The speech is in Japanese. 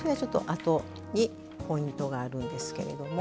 あとにポイントがあるんですけれども。